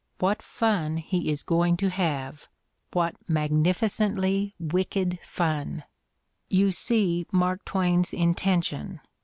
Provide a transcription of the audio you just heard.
... What fun he is going to have — what magnificently wicked fun ! You see Mark Twain's intention.